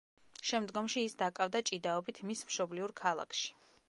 შემდგომში ის დაკავდა ჭიდაობით მის მშობლიურ ქალაქში.